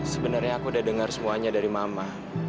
sebenernya aku udah denger semuanya dari mama